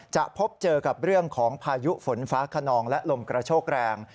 พบเจอกับเรื่องของพายุฝนฟ้าขนองและลมกระโชกแรง